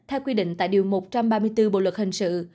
theo quy định tại điều một trăm ba mươi bốn bộ luật hình sự